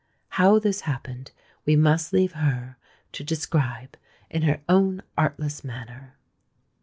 How this happened we must leave her to describe in her own artless manner.